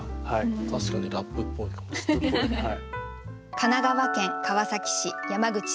確かにラップっぽいかもしれない。